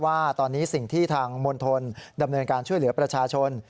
ว่าตอนนี้สิ่งที่ทางมณฑลดำเนินการช่วยเหลือประชาชน